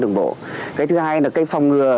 đường bộ cái thứ hai là cái phòng ngừa